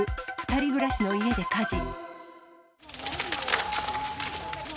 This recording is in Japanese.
２人暮らしの家で火事。